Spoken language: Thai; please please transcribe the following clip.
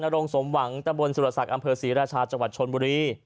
โรงสมหวังตะบนสุรศักดิ์อำเภอศรีราชาจังหวัดชนบุรี